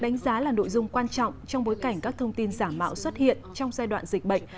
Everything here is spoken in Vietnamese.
đánh giá là nội dung quan trọng trong bối cảnh các thông tin giả mạo xuất hiện trong giai đoạn dịch bệnh